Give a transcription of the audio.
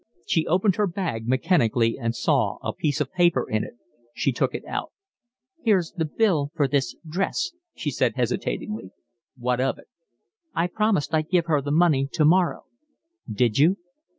She opened her bag mechanically and saw a piece of paper in it. She took it out. "Here's the bill for this dress," she said hesitatingly. "What of it?" "I promised I'd give her the money tomorrow." "Did you?"